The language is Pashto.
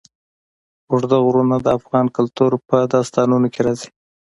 اوږده غرونه د افغان کلتور په داستانونو کې راځي.